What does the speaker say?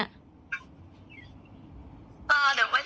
ไม่ต้องเล่าให้ฟังลูกทำไมอยู่กับเขาเหรอ